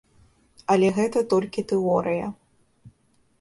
Але гэта толькі тэорыя.